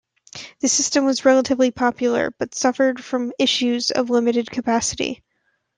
The system was relatively popular, but suffered from issues of limited capacity.